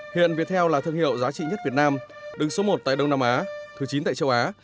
hiện viettel là thương hiệu giá trị nhất việt nam đứng số một tại đông nam á thứ chín tại châu á